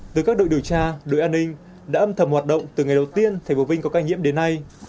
từ các đội điều tra đội an ninh đã âm thầm hoạt động từ ngày đầu tiên tp vinh có ca nhiễm đến nay